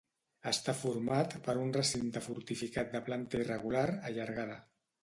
Està format per un recinte fortificat de planta irregular, allargada.